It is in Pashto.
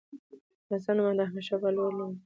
د افغانستان نوم د احمدشاه بابا لوړ کړی دی.